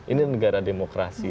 ini negara demokrasi